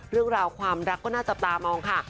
เรื่องราวความรักก็น่าจับตามองค่ะ